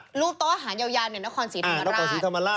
รูปโต๊ะอาหารยาวในนครศรีธรรมราช